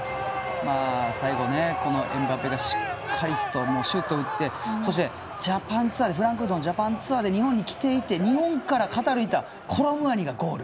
最後エムバペがしっかりシュートを打ってそしてフランクフルトのジャパンツアーで日本に来ていて、日本からカタールへ行ったコロムアニがゴール。